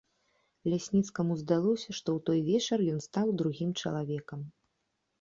Лясніцкаму здалося, што ў той вечар ён стаў другім чалавекам.